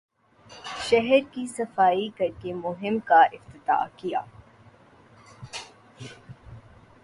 شہر کی صفائی کر کے مہم کا افتتاح کیا